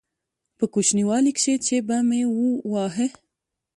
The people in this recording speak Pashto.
په کوچنيوالي کښې چې به مې واهه.